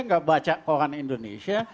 nggak baca koran indonesia